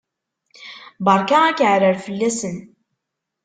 Berka akaɛrer fell-asen!